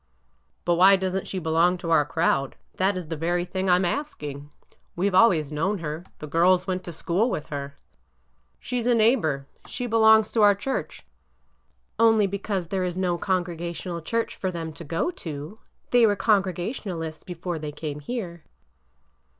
''But why does n't she belong to our crowd ? That is the very thing I am asking. We 've always known her. The girls went to school with her. She 's a neighbor. She belongs to our church—" " Only because there is no Congregational church for 148 ORDER NO. 11 them to go to. They were Congregationalists before they came here.